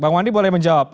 bang wandi boleh menjawab